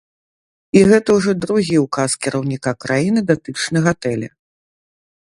І гэта ўжо другі ўказ кіраўніка краіны датычны гатэля.